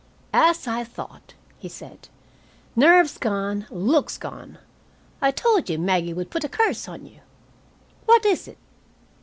"As I thought!" he said. "Nerves gone, looks gone. I told you Maggie would put a curse on you. What is it?"